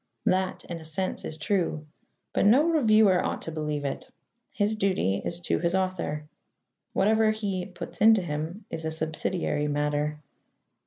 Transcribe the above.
That, in a sense, is true. But no reviewer ought to believe it. His duty is to his author: whatever he "puts into him" is a subsidiary matter.